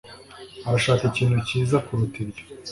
arashaka ikintu cyiza kuruta ibyo.